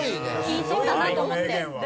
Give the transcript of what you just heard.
言いそうだなと思って。